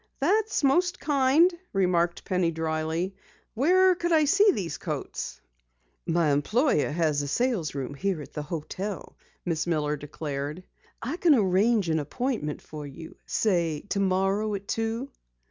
"That's most kind," remarked Penny dryly. "Where could I see these coats?" "My employer has a salesroom here at the hotel," Miss Miller declared. "I can arrange an appointment for you. Say tomorrow at two?"